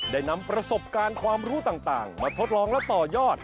ได้นำประสบการณ์ความรู้ต่างมาทดลองและต่อยอด